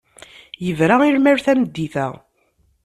Yebra i lmal tameddit-a.